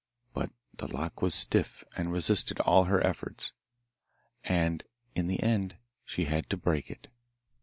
But the lock was stiff and resisted all her efforts, and in the end she had to break it.